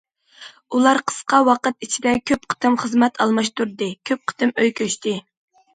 ئۇلار قىسقا ۋاقىت ئىچىدە كۆپ قېتىم خىزمەت ئالماشتۇردى، كۆپ قېتىم ئۆي كۆچتى.